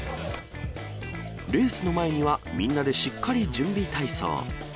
レースの前には、みんなでしっかり準備体操。